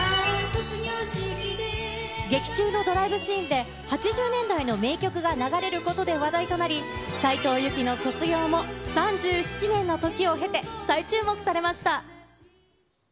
劇中のドライブシーンで、８０年代の名曲が流れることで話題となり、斉藤由貴の卒業も３７年の時を経て、再注目されました。